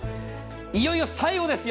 いよいよ最後ですよ。